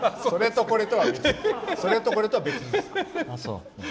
それとこれとは別です。